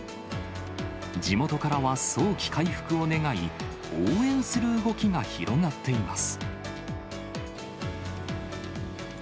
地元からは早期回復を願い、応援する動きが広がっています。